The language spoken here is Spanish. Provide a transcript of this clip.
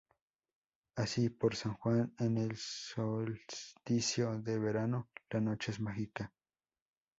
Así, por San Juan, en el solsticio de verano, la noche es mágica.